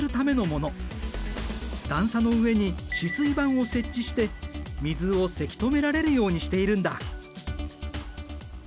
段差の上に止水板を設置して水をせき止められるようにしているんだ。